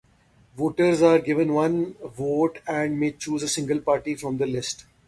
Voters are given one vote and may choose a single party from the list.